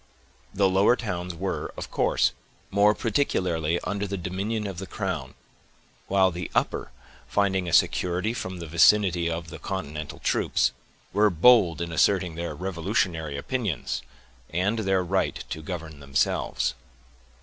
The lower towns were, of course, more particularly under the dominion of the crown, while the upper, finding a security from the vicinity of the continental troops, were bold in asserting their revolutionary opinions, and their right to govern themselves.